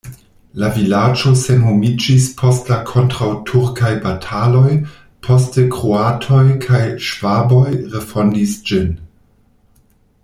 La vilaĝo senhomiĝis post la kontraŭturkaj bataloj, poste kroatoj kaj ŝvaboj refondis ĝin.